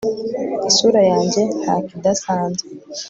Isura yanjye ntakidasanzwe